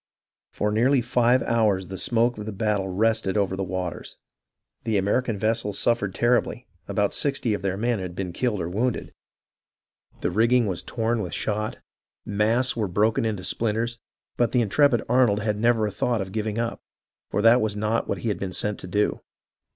For nearly five hours the smoke of battle rested over the waters. The American vessels suffered terribly, about sixty of their men had been killed or wounded, the rigging was torn with shot, masts were broken into splinters, but the intrepid Arnold had never a thought of giving up, for that was not what he had been sent to do.